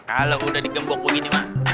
kalau udah digembok begini mas